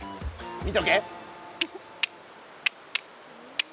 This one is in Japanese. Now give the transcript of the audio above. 見とけ。